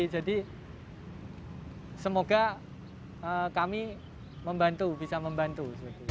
semoga kami membantu bisa membantu